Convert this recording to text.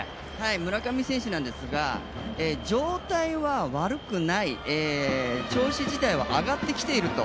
村上選手なんですが、状態は悪くない調子自体は上がってきていると。